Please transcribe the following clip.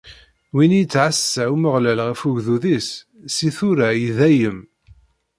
Win i yettɛassa Umeɣlal ɣef ugdud-is, si tura, i dayem.